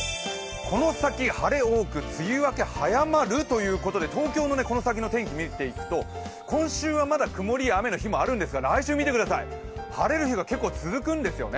この先、晴れ多く、梅雨明け早まるということで、東京のこの先の天気を見ていくと、今週はまだ曇りや雨の日もあるんですが、来週見てください、晴れる日が結構続くんですよね。